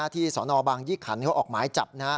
ที่สนบางยิคันเขาออกหมายจับ